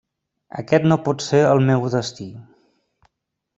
Aquest no pot ser el meu destí!